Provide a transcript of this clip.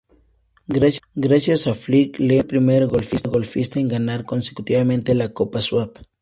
Gracias a Flick, Lehman fue el primer golfista en ganar consecutivamente la Copa Schwab.